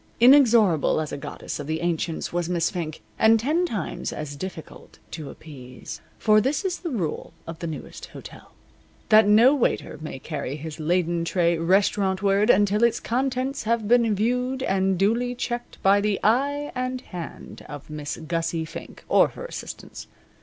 Inexorable as a goddess of the ancients was Miss Fink, and ten times as difficult to appease. For this is the rule of the Newest Hotel, that no waiter may carry his laden tray restaurantward until its contents have been viewed and duly checked by the eye and hand of Miss Gussie Fink, or her assistants.